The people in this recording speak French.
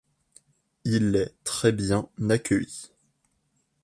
Il est très bien accueilli.